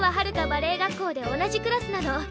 バレエ学校で同じクラスなの。